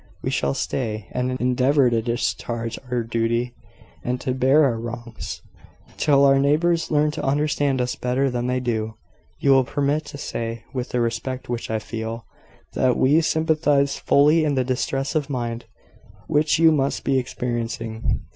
We shall stay, and endeavour to discharge our duty, and to bear our wrongs, till our neighbours learn to understand us better than they do. "You will permit to say, with the respect which I feel, that we sympathise fully in the distress of mind which you must be experiencing.